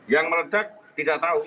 yang meledak tidak tahu